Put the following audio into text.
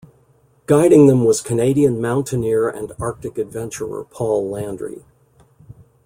Guiding them was Canadian mountaineer and arctic adventurer Paul Landry.